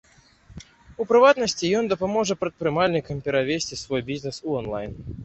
У прыватнасці, ён дапаможа прадпрымальнікам перавесці свой бізнес у онлайн.